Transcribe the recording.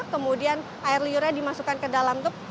kemudian air liurnya dimasukkan ke dalam tuk